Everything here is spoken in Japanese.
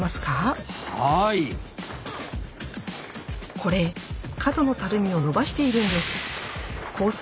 これ角のたるみを伸ばしているんです。